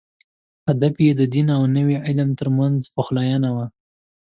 هدف یې د دین او نوي علم تر منځ پخلاینه وه.